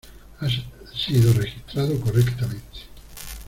Ha sido registrado correctamente.